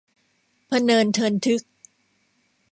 พะเนินเทินทึก